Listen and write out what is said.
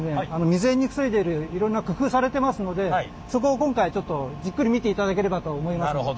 未然に防いでいるいろんな工夫されてますのでそこを今回ちょっとじっくり見ていただければとは思いますので。